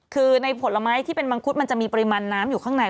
คือในผลไม้ที่เป็นมังคุดมันจะมีปริมาณน้ำอยู่ข้างใน